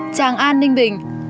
tràng an ninh bình